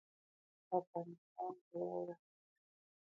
افغانستان په واوره غني دی.